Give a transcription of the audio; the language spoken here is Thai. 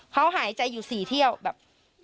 เขาหายใจอยู่๔เที่ยวแบบ